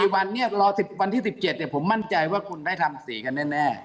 ๑๔วันเนี่ยรอวันที่๑๗ผมมั่นใจว่าคุณได้ทำ๔กันแน่